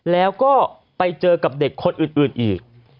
แล้วก็ไปเจอกับเด็กคนอื่นอีก